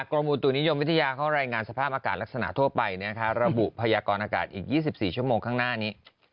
กรมอุตุนิยมวิทยาเขารายงานสภาพอากาศลักษณะทั่วไประบุพยากรอากาศอีก๒๔ชั่วโมงข้างหน้านี้